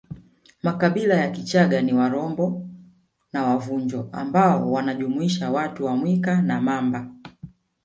Makabila ya Kichaga ni Warombo na Wavunjo ambao wanajumuisha watu wa Mwika na Mamba